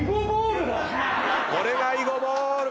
これが囲碁ボール！